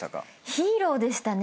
ヒーローでしたね。